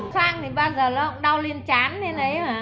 xoang thì bao giờ nó cũng đau lên chán lên đấy mà